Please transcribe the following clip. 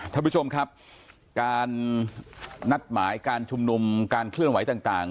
ท่านผู้ชมครับการนัดหมายการชุมนุมการเคลื่อนไหวต่าง